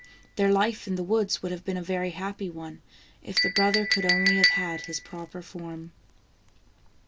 Their life in the woods would have been a very happy one, if the brother could only have had his proper form.